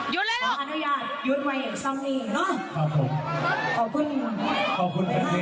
ขอบคุณแฟนเมย์พวกกันครับ